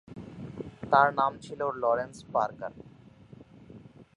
তার নাম ছিল লরেন্স পার্কার।